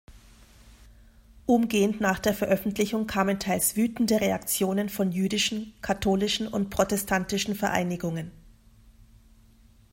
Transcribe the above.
Umgehend nach der Veröffentlichung kamen teils wütende Reaktionen von jüdischen, katholischen und protestantischen Vereinigungen.